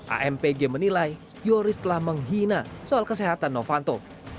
ampg menilai yoris telah menghina soal kesehatan novanto